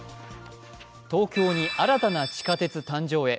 東京に新たな地下鉄誕生へ。